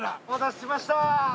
お待たせしました。